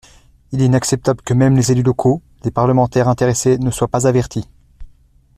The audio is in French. Il est inacceptable que même les élus locaux, les parlementaires intéressés ne soient pas avertis.